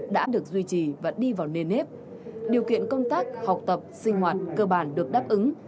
đã được duy trì và đi vào nền nếp điều kiện công tác học tập sinh hoạt cơ bản được đáp ứng